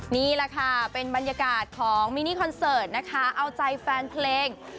นี่แหละค่ะเป็นบรรยากาศของมินิคอนเสิร์ตนะคะเอาใจแฟนเพลง